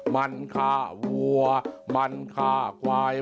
มันฆ่าวัวมันฆ่าควาย